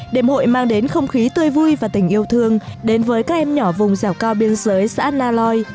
đêm hội mang đến không khí tươi vui và tình yêu thương đến với các em nhỏ vùng dẻo cao biên giới xã na loi